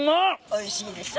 おいしいでしょ？